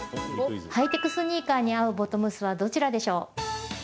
ハイテクスニーカーに合うボトムスはどちらでしょう？